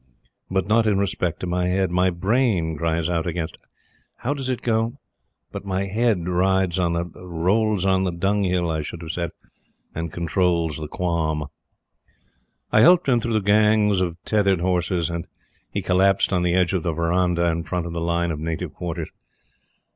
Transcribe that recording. But not in respect to my head. 'My brain cries out against' how does it go? But my head rides on the rolls on the dung hill I should have said, and controls the qualm." I helped him through the gangs of tethered horses and he collapsed on the edge of the verandah in front of the line of native quarters.